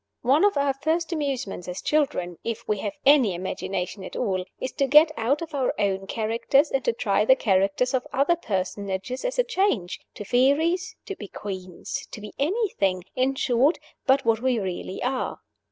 One of our first amusements as children (if we have any imagination at all) is to get out of our own characters, and to try the characters of other personages as a change to fairies, to be queens, to be anything, in short, but what we really are.